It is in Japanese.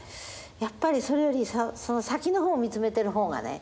やっぱりそれより先の方を見つめてる方がね